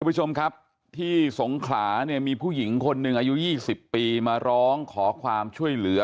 ผู้ชมครับที่สงขลาเนี่ยมีผู้หญิงคนหนึ่งอายุ๒๐ปีมาร้องขอความช่วยเหลือ